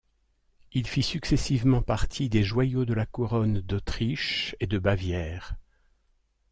Il fit successivement partie des joyaux de la couronne d'Autriche et de Bavière.